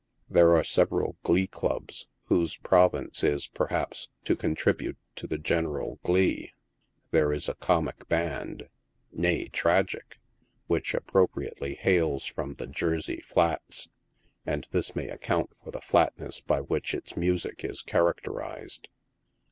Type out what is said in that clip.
There are several glee clubs, whose province is, per haps, to contribute to the general glee. There is a comic band — nay, tragic — which appropriately hails from tho Jersey Flats, and this may account for the flatness by which it3 music is character ized.